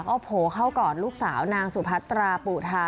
ก็โผล่เข้ากอดลูกสาวนางสุพัตราปูทา